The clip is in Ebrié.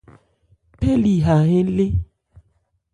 Phɛ́li 'há hɛ́n lé.